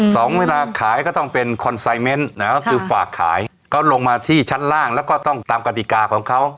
สองเวลาขายก็ต้องเป็นนะครับคือฝากขายก็ลงมาที่ชั้นล่างแล้วก็ต้องตามกฎิกาของเขา